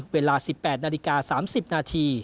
เวลา๑๘นาฬิกา๓๐นาที